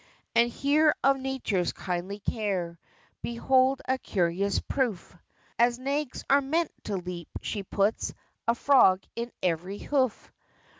And here of Nature's kindly care Behold a curious proof, As nags are meant to leap, she puts A frog in every hoof!